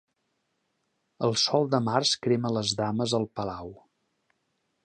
El sol de març crema les dames al palau.